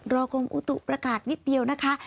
กรมอุตุประกาศนิดเดียวนะคะ